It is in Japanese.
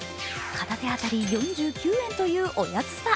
片手当たり４９円というお安さ。